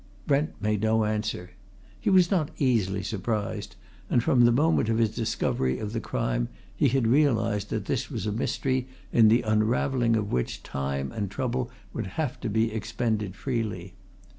Brent made no answer. He was not easily surprised, and from the moment of his discovery of the crime he had realized that this was a mystery in the unravelling of which time and trouble would have to be expended freely.